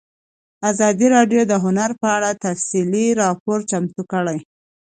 ازادي راډیو د هنر په اړه تفصیلي راپور چمتو کړی.